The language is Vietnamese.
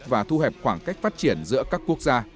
và thu hẹp khoảng cách phát triển giữa các quốc gia